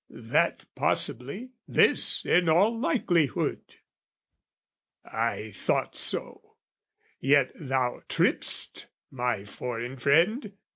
"That, possibly, this in all likelihood." I thought so: yet thou tripp'st, my foreign friend!